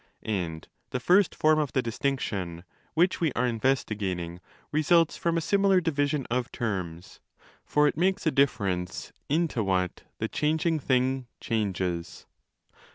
And <the first 318" 30 35 418". form οὔ ὅ the distinction, which we are investigating, results — from a similar division of terms: for it makes a difference into what the changing thing changes.